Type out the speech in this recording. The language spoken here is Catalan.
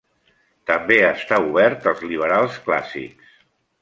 També està obert als liberals clàssics.